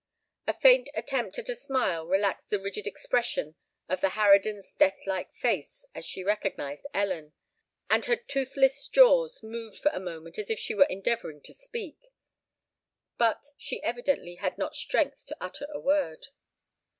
A faint attempt at a smile relaxed the rigid expression of the harridan's death like face, as she recognised Ellen; and her toothless jaws moved for a moment as if she were endeavouring to speak:—but she evidently had not strength to utter a word.